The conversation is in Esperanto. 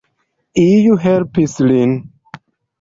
Iu helpis lin.